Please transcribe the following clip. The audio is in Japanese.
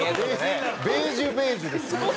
ベージュベージュですね。